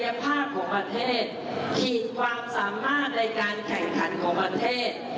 ขีดความสามารถในการแข่งขันของประเทศ